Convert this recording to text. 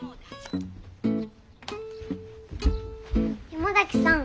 山崎さん。